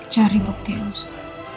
cari bukti elsa